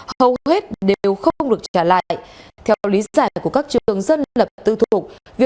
hầu hết đều không có thể nộp phí